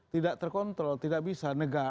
tidak terkontrol tidak bisa negara